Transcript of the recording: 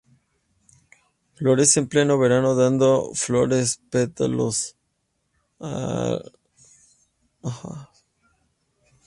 Florece en pleno verano, dando flores pelosas aisladas sobre largos pedúnculos.